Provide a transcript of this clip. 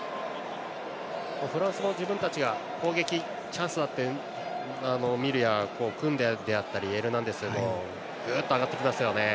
フランスも自分たちが攻撃のチャンスだってみるやクンデであったりエルナンデスも上がってきますよね。